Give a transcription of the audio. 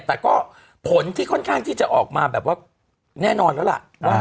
แต่ก็ผลที่ค่อนข้างที่จะออกมาแบบว่าแน่นอนแล้วล่ะว่า